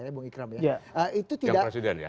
ya bung ikram ya yang presiden ya